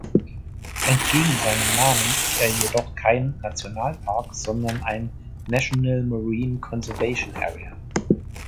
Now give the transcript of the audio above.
Entgegen seinem Namen ist er jedoch kein Nationalpark, sondern ein "National Marine Conservation Area".